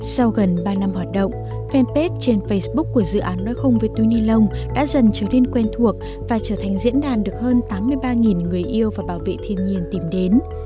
sau gần ba năm hoạt động fanpage trên facebook của dự án nói không với túi ni lông đã dần trở nên quen thuộc và trở thành diễn đàn được hơn tám mươi ba người yêu và bảo vệ thiên nhiên tìm đến